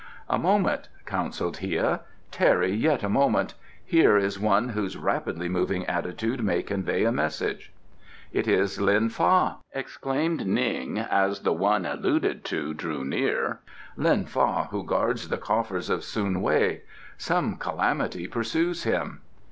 "A moment," counselled Hia. "Tarry yet a moment. Here is one whose rapidly moving attitude may convey a message." "It is Lin Fa!" exclaimed Ning, as the one alluded to drew near "Lin Fa who guards the coffers of Sun Wei. Some calamity pursues him."